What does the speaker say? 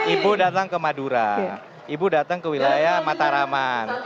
ibu datang ke madura ibu datang ke wilayah mataraman